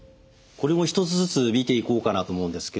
これも１つずつ見ていこうかなと思うんですけれども